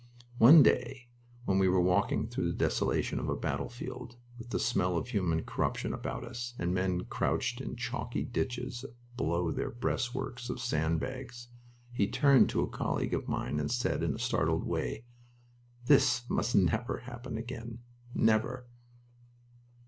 One day, when we were walking through the desolation of a battlefield, with the smell of human corruption about us, and men crouched in chalky ditches below their breastworks of sand bags, he turned to a colleague of mine and said in a startled way: "This must never happen again! Never!"